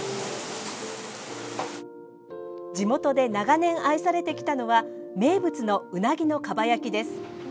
地元で長年、愛されてきたのは名物のうなぎのかば焼きです。